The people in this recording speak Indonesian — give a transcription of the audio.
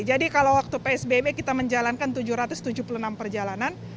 jadi kalau waktu psbb kita menjalankan tujuh ratus tujuh puluh enam perjalanan